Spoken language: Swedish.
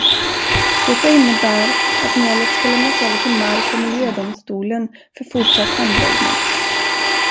Detta innebär att målet ska lämnas över till mark- och miljödomstolen för fortsatt handläggning.